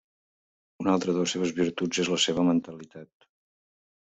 Una altra de les seves virtuts és la seva mentalitat.